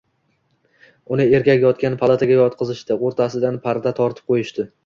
Uni erkak yotgan palataga yotqizishdi, o`rtasidan parda tortib qo`yishdi